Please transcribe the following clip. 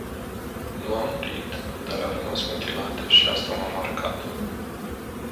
Nu a murit, dar a rămas mutilată și asta m-a marcat.